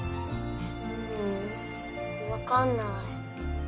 うんわかんない。